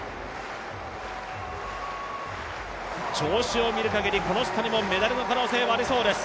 調子を見るかぎりこの人にもメダルの可能性がありそうです。